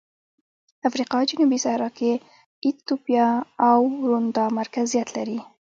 افریقا جنوبي صحرا کې ایتوپیا او روندا مرکزیت لري.